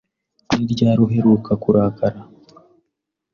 Ni ryari uheruka kurakara?